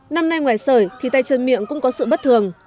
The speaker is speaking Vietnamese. năm nay ngoài sởi thì tay chân miệng cũng có sự bất thường